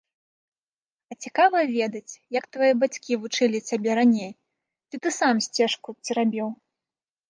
А цікава ведаць, як твае бацькі вучылі цябе раней, ці ты сам сцежку церабіў?